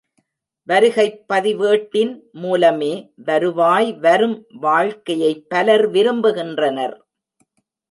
வருகைப் பதிவேட்டின் மூலமே வருவாய் வரும் வாழ்க்கையைப் பலர் விரும்புகின்றனர்.